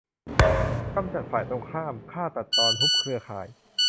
กำจัดฝ่ายตรงข้าม ฆ่าตัดตอน ฮุบเครือข่าย